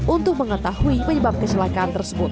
untuk mengetahui penyebab kecelakaan tersebut